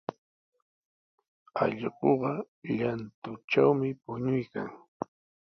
Allquqa llantutrawmi puñuykan.